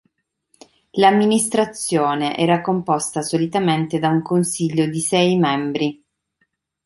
L'amministrazione era composta solitamente da un consiglio di sei membri.